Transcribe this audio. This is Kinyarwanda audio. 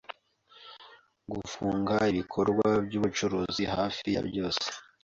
gufunga ibikorwa by’ubucuruzi hafi ya byose